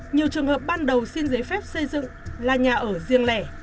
nhiều trường hợp ban đầu xin giấy phép xây dựng là nhà ở riêng lẻ